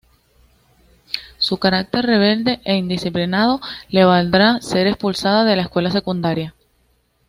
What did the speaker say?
Su carácter rebelde e indisciplinado le valdrá ser expulsada de la escuela secundaria.